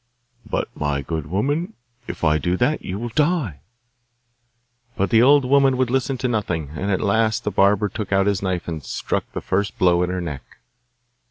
'But, my good woman, if I do that you will die!' But the old woman would listen to nothing; and at last the barber took out his knife and struck the first blow at her neck.